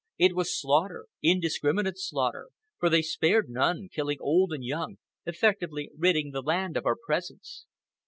It was slaughter, indiscriminate slaughter, for they spared none, killing old and young, effectively ridding the land of our presence.